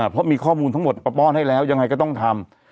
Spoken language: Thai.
เพราะมีข้อมูลทั้งหมดมาป้อนให้แล้วยังไงก็ต้องทำ